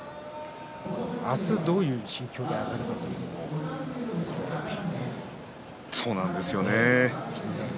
明日どういう心境で上がるかそうなんですよね。